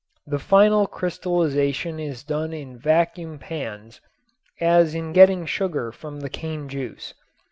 The final crystallization is done in vacuum pans as in getting sugar from the cane juice.